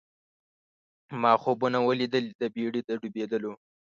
ما خوبونه وه لیدلي د بېړۍ د ډوبېدلو